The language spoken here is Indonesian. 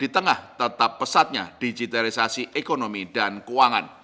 di tengah tetap pesatnya digitalisasi ekonomi dan keuangan